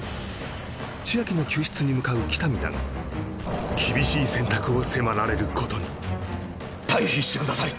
千晶の救出に向かう喜多見だがを迫られることに退避してください